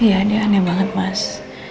iya ini aneh banget mas